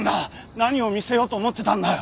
何を見せようと思ってたんだよ？